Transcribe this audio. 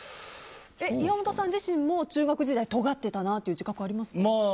岩本さん自身も中学時代、とがってたなっていう自覚はありますか？